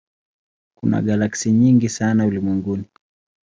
Kuna galaksi nyingi sana ulimwenguni.